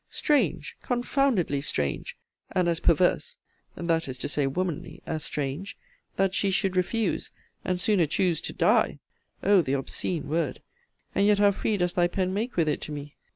Strange, confoundedly strange, and as perverse [that is to say, womanly] as strange, that she should refuse, and sooner choose to die [O the obscene word! and yet how free does thy pen make with it to me!